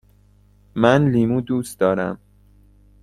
من لیمو دوست دارم.